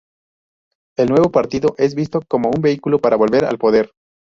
El nuevo partido es visto como un vehículo para volver al poder.